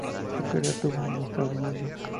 Su carrera tuvo un inestable inicio.